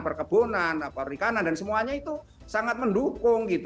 perkebunan perikanan dan semuanya itu sangat mendukung